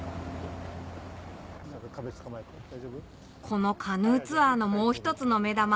このカヌーツアーのもう一つの目玉